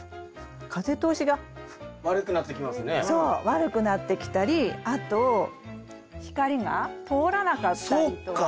悪くなってきたりあと光が通らなかったりとか。